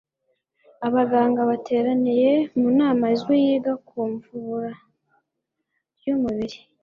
abaganga bateraniye mu nama izwi yiga ku mvubura ryumubiri